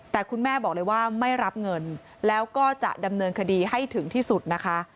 แต่คุณแม่บอกเลยว่าไม่รับเงินแล้วก็จะดำเนินคดีให้ถึงที่สุดนะคะ